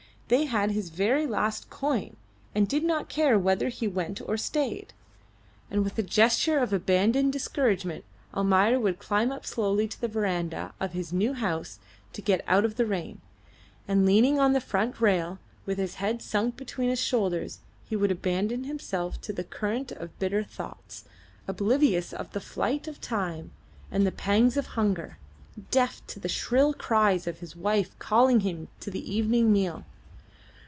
They had his very last coin, and did not care whether he went or stayed. And with a gesture of abandoned discouragement Almayer would climb up slowly to the verandah of his new house to get out of the rain, and leaning on the front rail with his head sunk between his shoulders he would abandon himself to the current of bitter thoughts, oblivious of the flight of time and the pangs of hunger, deaf to the shrill cries of his wife calling him to the evening meal.